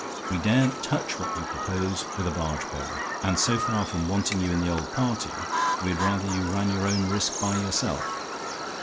We daren't touch what you propose with a barge pole; and so far from wanting you in the old party, we'd rather you ran your own risk by yourself.